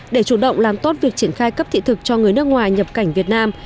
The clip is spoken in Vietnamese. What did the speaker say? để chủ động làm tốt việc triển khai cấp thị thực cho người nước ngoài nhập cảnh việt nam